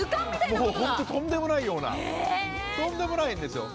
もう本当にとんでもないようなとんでもないんですよ。